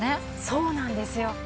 そうなんですよ。